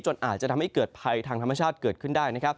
อาจจะทำให้เกิดภัยทางธรรมชาติเกิดขึ้นได้นะครับ